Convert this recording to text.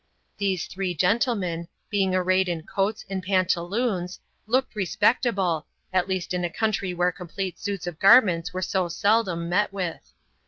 These three gentle men, being arrayed in coats and pantaloons, looked respectable, at least in a country where complete suits of garments are so seldom met with.